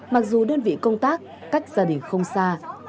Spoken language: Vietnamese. mặc dù đơn vị công tác cách gia đình không xa